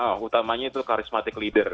oh utamanya itu karismatik leader